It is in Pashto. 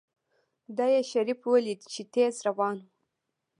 دا يې شريف وليد چې تېز روان و.